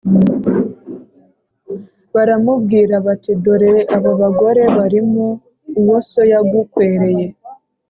baramubwira bati: "dore aba bagore barimo uwo so yagukwereye,